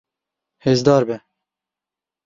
Hêzdar be.